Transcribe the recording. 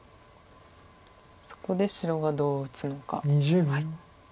そこで白がどう打つのか。